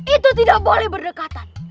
itu tidak boleh berdekatan